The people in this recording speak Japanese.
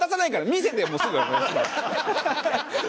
見せてもうすぐ。